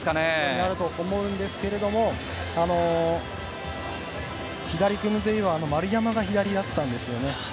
なると思うんですけれども左組みというのは丸山が左だったんですね。